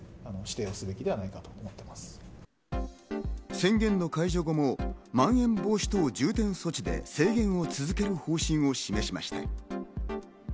宣言の解除後もまん延防止等重点措置で制限を続ける方針を示しました。